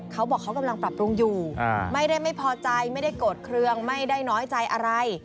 เขาบอกเขากำลังปรับปรุงอยู่ไม่ได้ไม่พอใจไม่ได้โกรธเครื่องไม่ได้น้อยใจอะไร